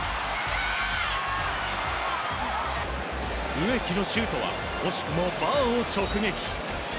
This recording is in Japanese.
植木のシュートは惜しくもバーを直撃。